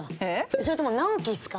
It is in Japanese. それとも『直樹』っすか？